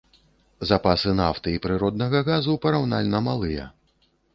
Запасы нафты і прыроднага газу параўнальна малыя.